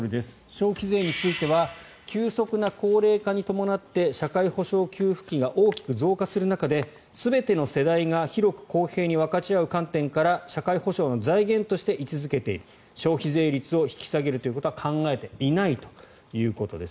消費税については急速な高齢化に伴って社会保障給付費が大きく増加する中で全ての世代が広く公平に分かち合う観点から社会保障の財源として位置付けている消費税率を引き下げることは考えていないということです。